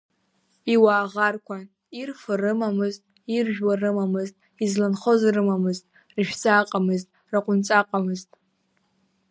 Иуаа ӷарқәан, ирфо рымамызт, иржәуа рымамызт, изланхоз рымамызт, рышәҵа аҟамызт, рҟәнҵа аҟамызт.